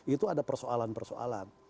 itu ada persoalan persoalan